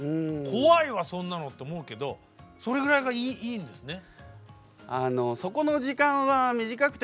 怖いわそんなのと思うけどそれぐらいがいいんですね？